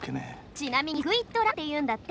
ちなみにスクイッドランっていうんだって。